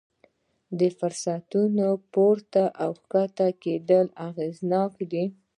د فرصتونو په پورته او ښکته کېدو کې اغېزناک دي.